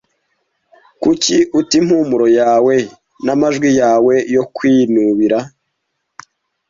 Kuki uta impumuro yawe, n'amajwi yawe yo kwinubira?